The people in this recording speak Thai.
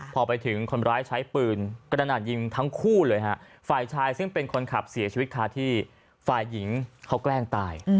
พอไปถึงคนร้ายใช้ปืนกระดาษยิงทั้งคู่เลยฮะฝ่ายชายซึ่งเป็นคนขับเสียชีวิตคาที่ฝ่ายหญิงเขาแกล้งตาย